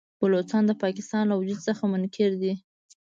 بلوڅان د پاکستان له وجود څخه منکر دي.